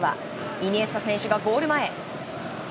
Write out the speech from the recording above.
イニエスタ選手がゴール前。